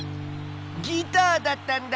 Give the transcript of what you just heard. ギターだったんだ！